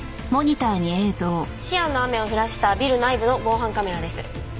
シアンの雨を降らせたビル内部の防犯カメラです。